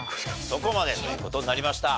そこまでという事になりました。